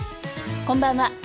こんばんは。